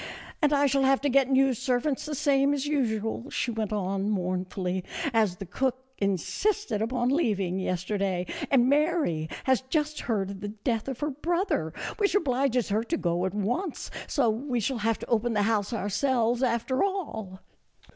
" And I shall have to get new servants the same as usual," she went on, mournfully, " as the cook in sisted upon leaving yesterday, and Mary has just heard of the death of her brother, which obliges her to go at once, so we shall have to open the house ourselves after all."